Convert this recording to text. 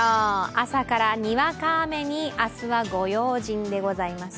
朝からにわか雨に明日はご用心でございます。